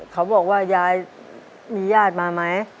เขาบอกว่ายายมีญาติมาไหม